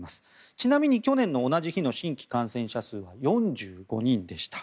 ちなみに去年の同じ日の新規感染者数は４５人でした。